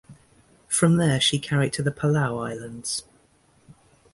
From there she carried to the Palau Islands.